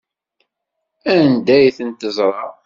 Anda ay ten-teẓra?